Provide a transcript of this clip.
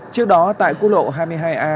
trước đó tại cú lộ hai mươi hai a